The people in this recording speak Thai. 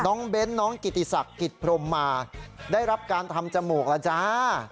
เบ้นน้องกิติศักดิ์กิจพรมมาได้รับการทำจมูกแล้วจ้า